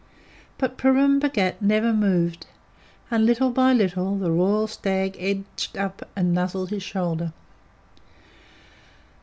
But Purun Bhagat never moved, and, little by little, the royal stag edged up and nuzzled his shoulder.